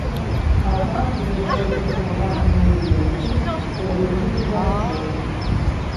Ападкі бываюць пераважна ўлетку ў выглядзе дажджоў.